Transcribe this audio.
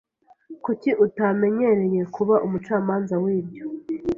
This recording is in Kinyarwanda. Kuki utanyemereye kuba umucamanza wibyo?